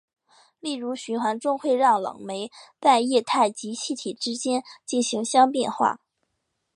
例如循环中会让冷媒在液态及气体之间进行相变化。